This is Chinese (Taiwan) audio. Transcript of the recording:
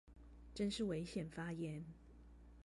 真是危險發言